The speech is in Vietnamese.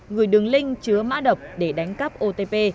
gửi đường link chứa mã độc để đánh cắp otp